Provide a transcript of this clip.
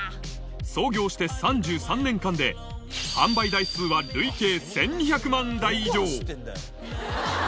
創業して３３年間で、販売台数は累計１２００万台以上。